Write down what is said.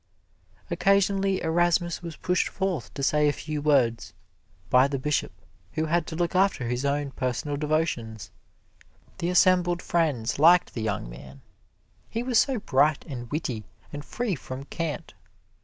Occasionally Erasmus was pushed forward to say a few words, by the Bishop, who had to look after his own personal devotions. The assembled friends liked the young man he was so bright and witty and free from cant.